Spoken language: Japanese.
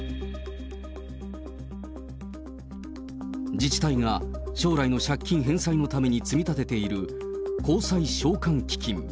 自治体が将来の借金返済のために積み立てている公債償還基金。